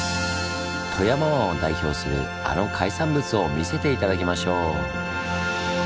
富山湾を代表するあの海産物を見せて頂きましょう！